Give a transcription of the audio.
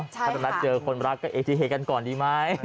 ถ้าเจอคนรักก็เอเทฮกันก่อนดีไหม